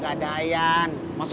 ada apa be